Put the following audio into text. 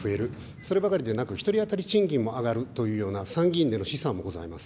そればかりでなく、１人当たり賃金も上がるというような、参議院での試算もございます。